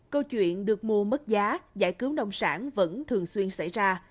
câu chuyện được mua mất giá giải cứu nông sản vẫn thường xuyên xảy ra